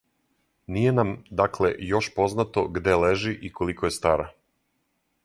Није нам, дакле, још познато где лежи и колико је стара